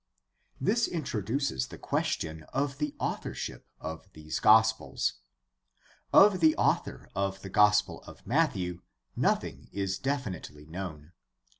— This introduces the question of the authorship of these gospels. Of the author of the Gospel of Matthew nothing is definitely known.